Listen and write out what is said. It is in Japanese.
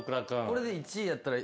これで１位やったら。